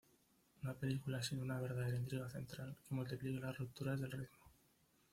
Una película sin una verdadera intriga central, que multiplica las rupturas del ritmo.